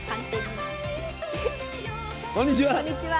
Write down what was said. こんにちは。